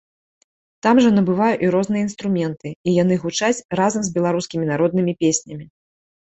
Там жа набываю і розныя інструменты, і яны гучаць разам з беларускімі народнымі песнямі.